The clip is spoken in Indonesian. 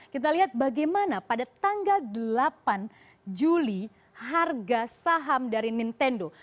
kita lihat bagaimana pada tanggal delapan juli harga saham dari nintendo